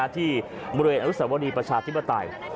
ที่บริเวณอนุสาวรีประชาธิปไตย